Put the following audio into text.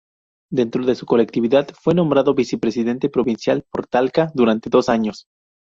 Dentro de su colectividad fue nombrado vicepresidente provincial por Talca durante dos años.